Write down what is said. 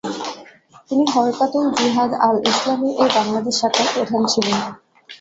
তিনি হরকাতুল-জিহাদ-আল-ইসলামী-এর বাংলাদেশ শাখার প্রধান ছিলেন।